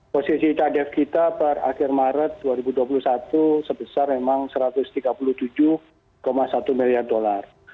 posisi cadef kita per akhir maret dua ribu dua puluh satu sebesar memang satu ratus tiga puluh tujuh satu miliar dolar